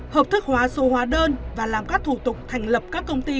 hợp thức hóa số hóa đơn và làm các thủ tục thành lập các công ty